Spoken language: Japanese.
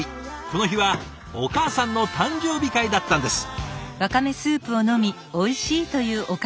この日はお母さんの誕生日会だったんです。